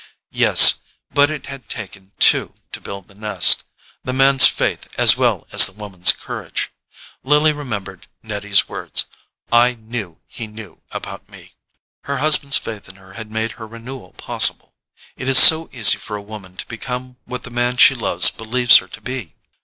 Yes—but it had taken two to build the nest; the man's faith as well as the woman's courage. Lily remembered Nettie's words: I KNEW HE KNEW ABOUT ME. Her husband's faith in her had made her renewal possible—it is so easy for a woman to become what the man she loves believes her to be!